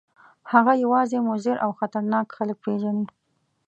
هغه یوازې مضر او خطرناک خلک پېژني.